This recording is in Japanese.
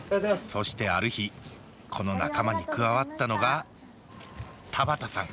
そしてある日この仲間に加わったのが田畑さん。